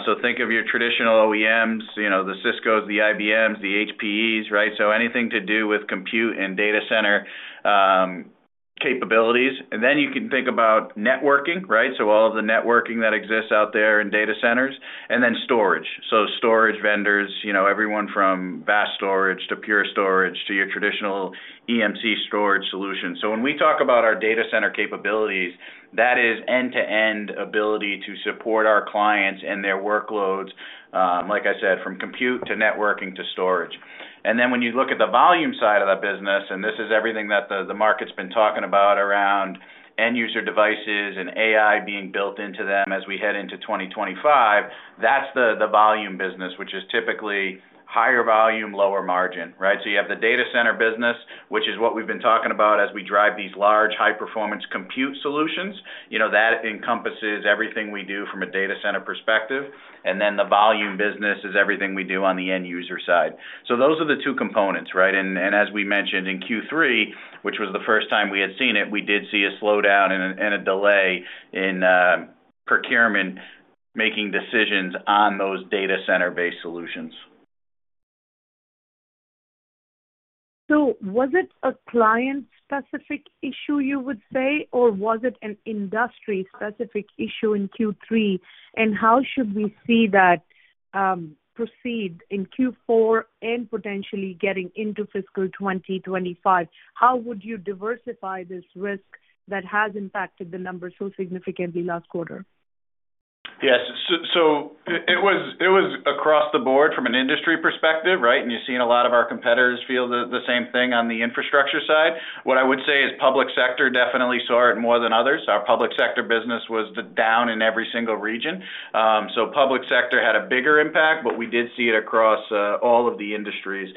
So think of your traditional OEMs, the Ciscos, the IBMs, the HPEs, right? So anything to do with compute and data center capabilities. And then you can think about networking, right? So all of the networking that exists out there in data centers, and then storage. So storage vendors, everyone from VAST storage to Pure Storage to your traditional EMC storage solutions. So when we talk about our data center capabilities, that is end-to-end ability to support our clients and their workloads, like I said, from compute to networking to storage. And then when you look at the volume side of that business, and this is everything that the market's been talking about around end-user devices and AI being built into them as we head into 2025, that's the volume business, which is typically higher volume, lower margin, right? So you have the data center business, which is what we've been talking about as we drive these large high-performance compute solutions. That encompasses everything we do from a data center perspective. And then the volume business is everything we do on the end-user side. So those are the two components, right? And as we mentioned in Q3, which was the first time we had seen it, we did see a slowdown and a delay in procurement making decisions on those data center-based solutions. So was it a client-specific issue, you would say, or was it an industry-specific issue in Q3? And how should we see that proceed in Q4 and potentially getting into fiscal 2025? How would you diversify this risk that has impacted the numbers so significantly last quarter? Yes. So it was across the board from an industry perspective, right? And you've seen a lot of our competitors feel the same thing on the infrastructure side. What I would say is public sector definitely saw it more than others. Our public sector business was down in every single region. So public sector had a bigger impact, but we did see it across all of the industries.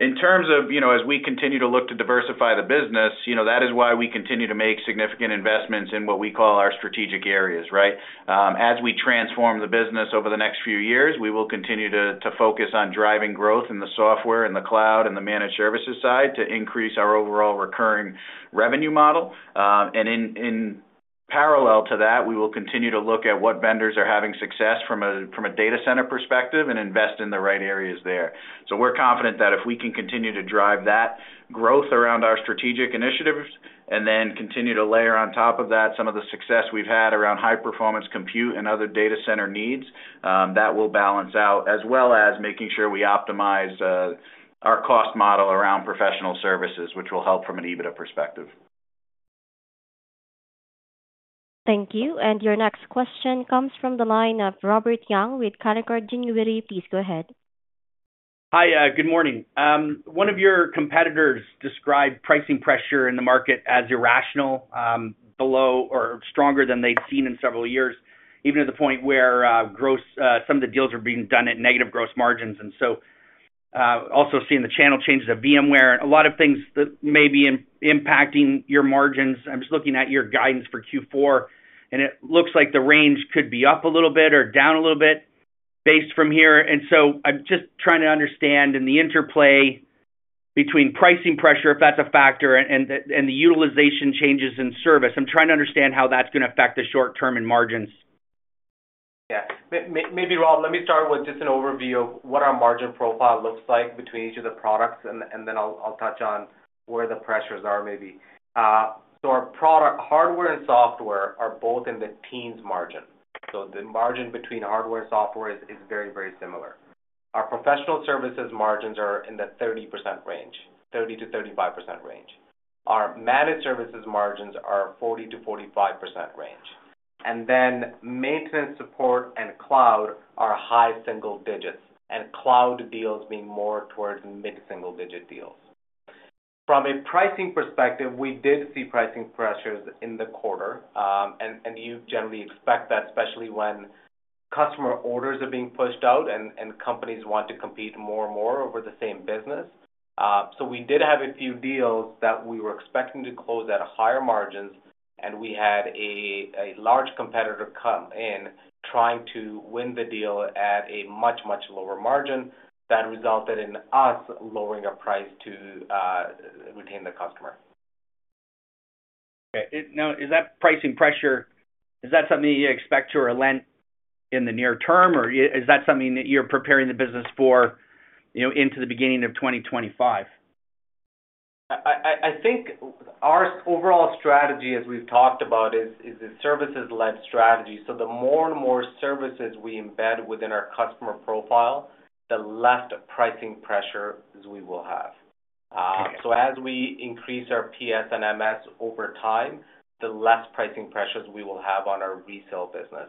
In terms of, as we continue to look to diversify the business, that is why we continue to make significant investments in what we call our strategic areas, right? As we transform the business over the next few years, we will continue to focus on driving growth in the software and the cloud and the managed services side to increase our overall recurring revenue model. And in parallel to that, we will continue to look at what vendors are having success from a data center perspective and invest in the right areas there. So we're confident that if we can continue to drive that growth around our strategic initiatives and then continue to layer on top of that some of the success we've had around high-performance compute and other data center needs, that will balance out as well as making sure we optimize our cost model around professional services, which will help from an EBITDA perspective. Thank you. And your next question comes from the line of Robert Young with Canaccord Genuity. Please go ahead. Hi, good morning. One of your competitors described pricing pressure in the market as irrational, below or stronger than they'd seen in several years, even to the point where some of the deals are being done at negative gross margins. And so also seeing the channel changes at VMware, a lot of things that may be impacting your margins. I'm just looking at your guidance for Q4, and it looks like the range could be up a little bit or down a little bit based from here. And so I'm just trying to understand in the interplay between pricing pressure, if that's a factor, and the utilization changes in service. I'm trying to understand how that's going to affect the short-term and margins. Yeah. Maybe, Rob, let me start with just an overview of what our margin profile looks like between each of the products, and then I'll touch on where the pressures are maybe. So our product hardware and software are both in the teens margin. So the margin between hardware and software is very, very similar. Our professional services margins are in the 30% range, 30%-35% range. Our managed services margins are 40%-45% range. Then maintenance support and cloud are high single digits, and cloud deals being more towards mid-single digit deals. From a pricing perspective, we did see pricing pressures in the quarter, and you generally expect that, especially when customer orders are being pushed out and companies want to compete more and more over the same business. We did have a few deals that we were expecting to close at higher margins, and we had a large competitor come in trying to win the deal at a much, much lower margin that resulted in us lowering our price to retain the customer. Okay. Now, is that pricing pressure, is that something you expect to relent in the near term, or is that something that you're preparing the business for into the beginning of 2025? I think our overall strategy, as we've talked about, is a services-led strategy. So the more and more services we embed within our customer profile, the less pricing pressure we will have. So as we increase our PS and MS over time, the less pricing pressures we will have on our resale business.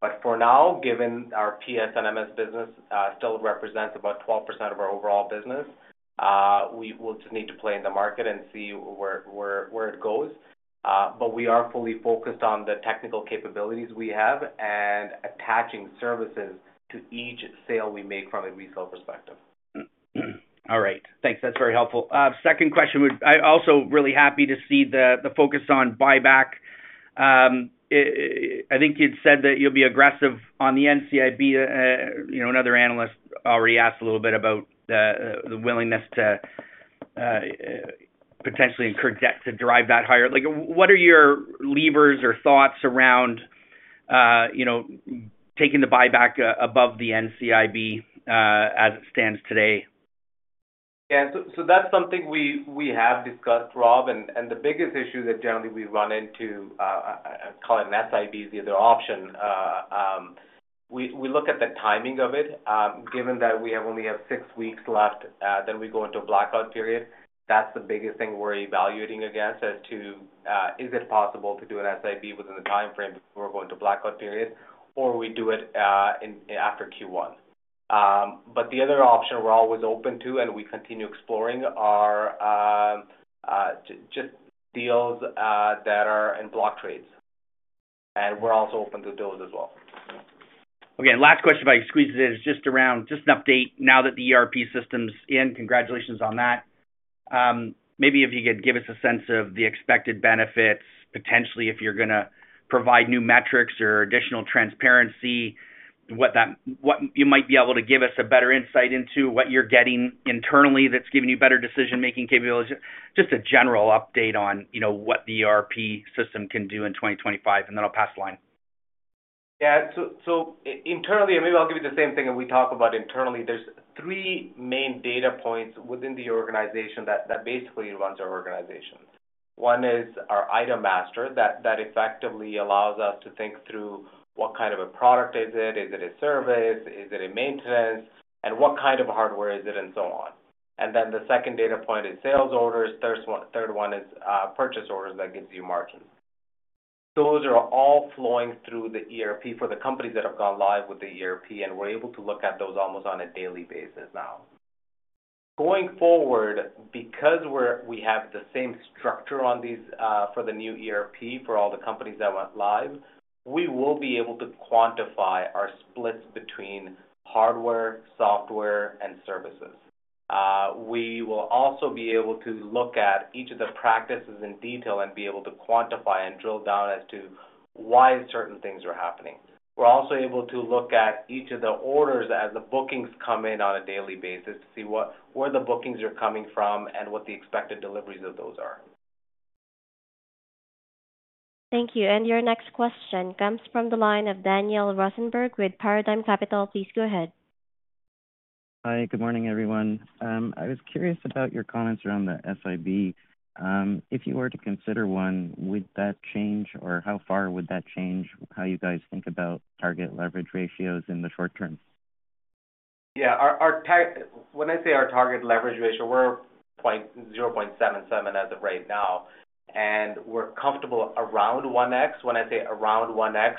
But for now, given our PS and MS business still represents about 12% of our overall business, we will just need to play in the market and see where it goes. But we are fully focused on the technical capabilities we have and attaching services to each sale we make from a resale perspective. All right. Thanks. That's very helpful. Second question, I'm also really happy to see the focus on buyback. I think you'd said that you'll be aggressive on the NCIB. Another analyst already asked a little bit about the willingness to potentially incur debt to drive that higher. What are your levers or thoughts around taking the buyback above the NCIB as it stands today? Yeah. So that's something we have discussed, Rob. And the biggest issue that generally we run into, I call it an SIB, is the other option. We look at the timing of it. Given that we only have six weeks left, then we go into a blackout period. That's the biggest thing we're evaluating against as to is it possible to do an SIB within the timeframe before we go into a blackout period, or we do it after Q1. But the other option we're always open to, and we continue exploring, are just deals that are in block trades. And we're also open to those as well. Okay. Last question if I could squeeze it in is just an update now that the ERP system's in. Congratulations on that. Maybe if you could give us a sense of the expected benefits, potentially if you're going to provide new metrics or additional transparency, what you might be able to give us a better insight into what you're getting internally that's giving you better decision-making capabilities. Just a general update on what the ERP system can do in 2025, and then I'll pass the line. Yeah. So internally, and maybe I'll give you the same thing that we talk about internally, there's three main data points within the organization that basically runs our organization. One is our item master that effectively allows us to think through what kind of a product is it? Is it a service? Is it a maintenance? And what kind of hardware is it? And so on. And then the second data point is sales orders. The third one is purchase orders that gives you margins. Those are all flowing through the ERP for the companies that have gone live with the ERP, and we're able to look at those almost on a daily basis now. Going forward, because we have the same structure for the new ERP for all the companies that went live, we will be able to quantify our splits between hardware, software, and services. We will also be able to look at each of the practices in detail and be able to quantify and drill down as to why certain things are happening. We're also able to look at each of the orders as the bookings come in on a daily basis to see where the bookings are coming from and what the expected deliveries of those are. Thank you. And your next question comes from the line of Daniel Rosenberg with Paradigm Capital. Please go ahead. Hi. Good morning, everyone. I was curious about your comments around the NCIB. If you were to consider one, would that change, or how far would that change how you guys think about target leverage ratios in the short term? Yeah. When I say our target leverage ratio, we're 0.77 as of right now, and we're comfortable around 1x. When I say around 1x,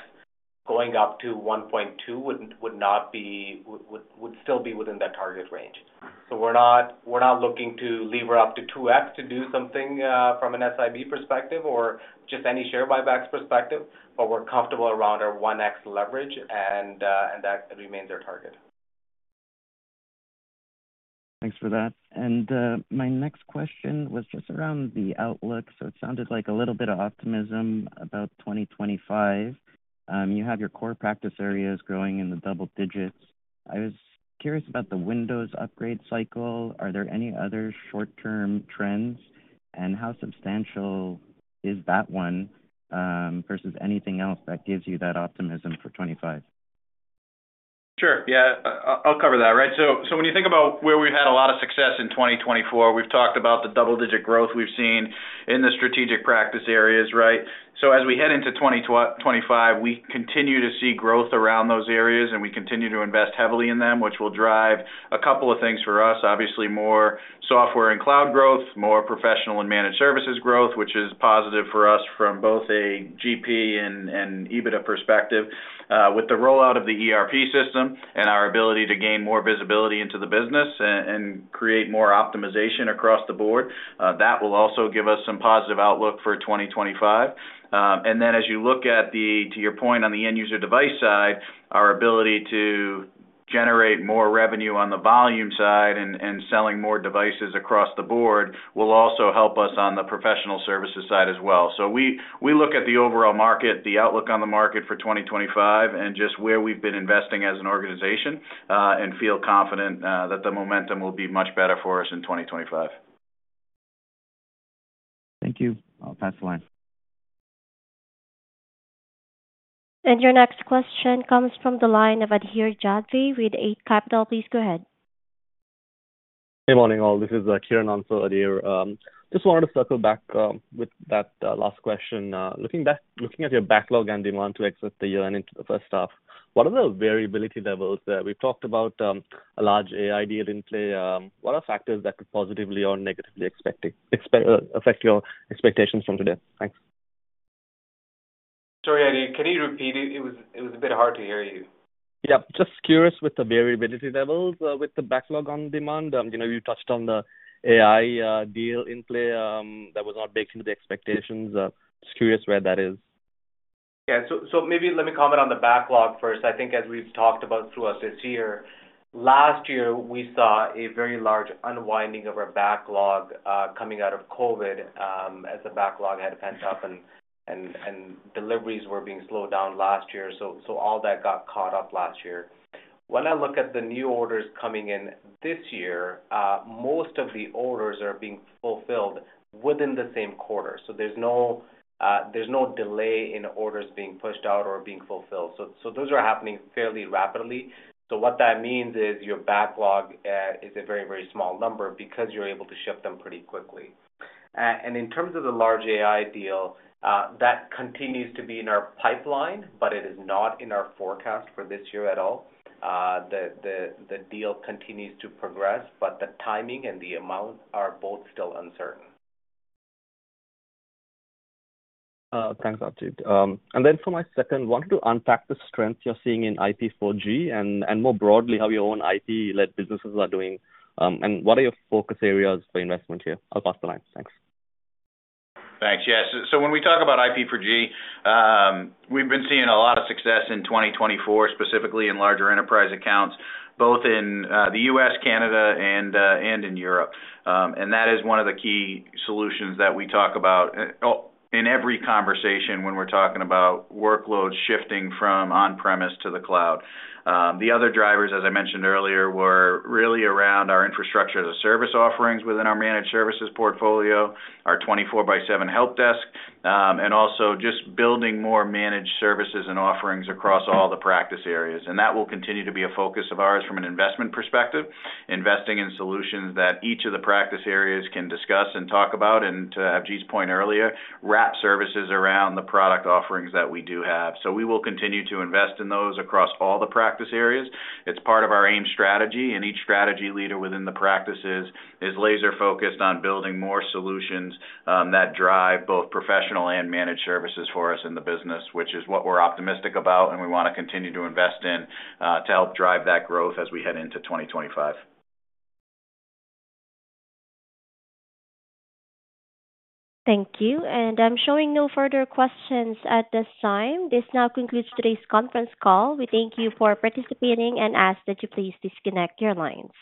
going up to 1.2 would still be within that target range. So we're not looking to lever up to 2x to do something from an NCIB perspective or just any share buyback perspective, but we're comfortable around our 1x leverage, and that remains our target. Thanks for that. And my next question was just around the outlook. So it sounded like a little bit of optimism about 2025. You have your core practice areas growing in the double digits. I was curious about the Windows upgrade cycle. Are there any other short-term trends, and how substantial is that one versus anything else that gives you that optimism for 2025? Sure. Yeah. I'll cover that, right? So when you think about where we've had a lot of success in 2024, we've talked about the double-digit growth we've seen in the strategic practice areas, right? So as we head into 2025, we continue to see growth around those areas, and we continue to invest heavily in them, which will drive a couple of things for us. Obviously, more software and cloud growth, more professional and managed services growth, which is positive for us from both a GP and EBITDA perspective. With the rollout of the ERP system and our ability to gain more visibility into the business and create more optimization across the board, that will also give us some positive outlook for 2025. And then, as you look at, to your point, on the end-user device side, our ability to generate more revenue on the volume side and selling more devices across the board will also help us on the professional services side as well. So we look at the overall market, the outlook on the market for 2025, and just where we've been investing as an organization and feel confident that the momentum will be much better for us in 2025. Thank you. I'll pass the line. And your next question comes from the line of Adhir Kadve with Eight Capital. Please go ahead. Hey, morning, all. This is Kiran on for Adhir. Just wanted to circle back with that last question. Looking at your backlog and demand to exit the year and into the first half, what are the variability levels that we've talked about? A large AI deal in play. What are factors that could positively or negatively affect your expectations from today? Thanks. Sorry, Adhir. Can you repeat it? It was a bit hard to hear you. Yeah. Just curious with the variability levels with the backlog on demand. You touched on the AI deal in play that was not baked into the expectations. Just curious where that is. Yeah. So maybe let me comment on the backlog first. I think, as we've talked about throughout this year, last year, we saw a very large unwinding of our backlog coming out of COVID as the backlog had pent up and deliveries were being slowed down last year. So all that got caught up last year. When I look at the new orders coming in this year, most of the orders are being fulfilled within the same quarter. So there's no delay in orders being pushed out or being fulfilled. So those are happening fairly rapidly. So what that means is your backlog is a very, very small number because you're able to ship them pretty quickly. And in terms of the large AI deal, that continues to be in our pipeline, but it is not in our forecast for this year at all. The deal continues to progress, but the timing and the amount are both still uncertain. Thanks, Avjit. And then for my second, I wanted to unpack the strength you're seeing in IP4G and more broadly how your own IP-led businesses are doing. And what are your focus areas for investment here? I'll pass the line. Thanks. Thanks. Yeah. So when we talk about IP4G, we've been seeing a lot of success in 2024, specifically in larger enterprise accounts, both in the U.S., Canada, and in Europe. And that is one of the key solutions that we talk about in every conversation when we're talking about workloads shifting from on-premise to the cloud. The other drivers, as I mentioned earlier, were really around our infrastructure as a service offerings within our managed services portfolio, our 24x7 help desk, and also just building more managed services and offerings across all the practice areas. And that will continue to be a focus of ours from an investment perspective, investing in solutions that each of the practice areas can discuss and talk about. And to Avjit's point earlier, wrap services around the product offerings that we do have. So we will continue to invest in those across all the practice areas. It's part of our AIM strategy, and each strategy leader within the practices is laser-focused on building more solutions that drive both professional and managed services for us in the business, which is what we're optimistic about and we want to continue to invest in to help drive that growth as we head into 2025. Thank you. And I'm showing no further questions at this time. This now concludes today's conference call. We thank you for participating and ask that you please disconnect your lines.